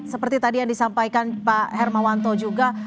seperti tadi yang disampaikan pak hermawanto juga